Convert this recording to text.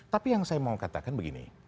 tapi yang saya mau katakan begini